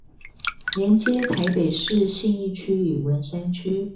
連接臺北市信義區與文山區